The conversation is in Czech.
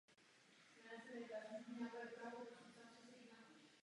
Správním městem okresu je Troy.